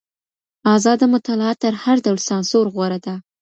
ازاده مطالعه تر هر ډول سانسور غوره ده.